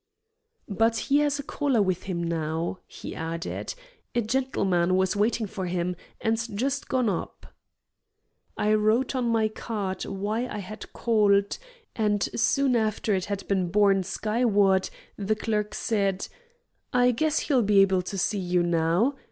"But he has a caller with him now," he added. "A gentleman was waiting for him, and's just gone up." I wrote on my card why I had called, and soon after it had been borne skyward the clerk said: "I guess he'll be able to see you now.